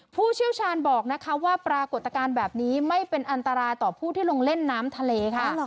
ผู้เชี่ยวชาญบอกนะคะว่าปรากฏการณ์แบบนี้ไม่เป็นอันตรายต่อผู้ที่ลงเล่นน้ำทะเลค่ะ